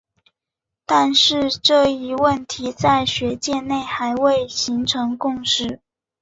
但是这一问题在学界内还未形成共识。